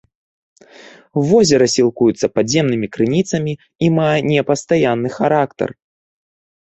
Возера сілкуецца падземнымі крыніцамі і мае непастаянны характар.